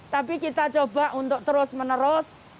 tapi kita coba untuk terus menerus